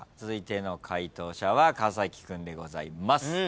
続いての解答者は川君でございます。